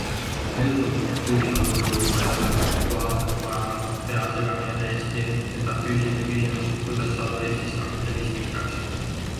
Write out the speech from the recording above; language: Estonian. Ma ei usu, et kõigil on hullumajale kohaselt ajanud pea segamini täiesti metafüüsiline küsimus, kuidas saada Eestis kapitalismi isaks?